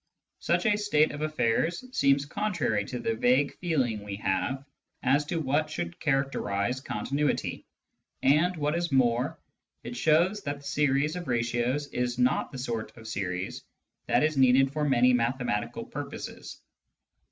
Such a state of affairs seems contrary to the vague feeling we have as to what should character ise " continuity," and, what is more, it shows that the series of ratios is not the sort of series that is needed for many mathematical purposes.